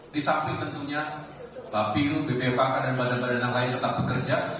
di samping tentunya bapil bppk dan badan badan lain tetap bekerja